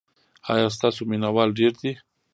ایا ستاسو مینه وال ډیر دي؟